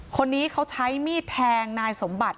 คนนี้เขาใช้มีดแทงนายสมบัติ